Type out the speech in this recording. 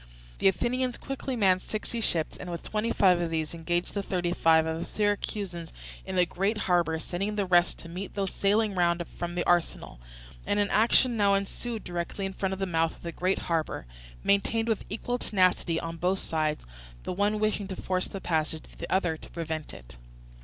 The Athenians quickly manned sixty ships, and with twenty five of these engaged the thirty five of the Syracusans in the great harbour, sending the rest to meet those sailing round from the arsenal; and an action now ensued directly in front of the mouth of the great harbour, maintained with equal tenacity on both sides; the one wishing to force the passage, the other to prevent them.